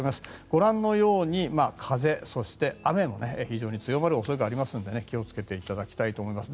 ご覧のように風、そして雨も非常に強まる恐れがありますので気をつけていただきたいと思います。